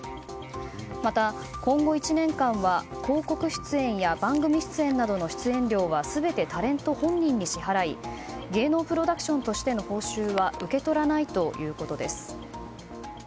また、今後１年間は広告出演や番組出演などの出演料は全てタレント本人に支払い芸能プロダクションとしての報酬は受け取らないということです。